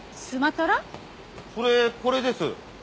それこれです。